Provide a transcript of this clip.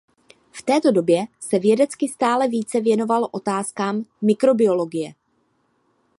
V této době se vědecky stále více věnoval otázkám mikrobiologie.